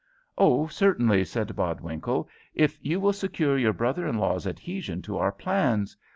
"Oh, certainly," said Bodwinkle, "if you will secure your brother in law's adhesion to our plans.